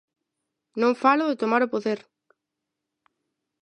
Non falo de tomar o poder.